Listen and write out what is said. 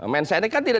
men sack neck kan tidak